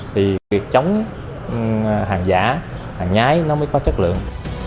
thì việc chống hàng giả hàng nhái nó mới có chất lượng